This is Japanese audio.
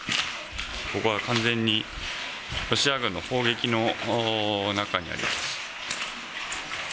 ここは完全にロシア軍の砲撃の中にあります。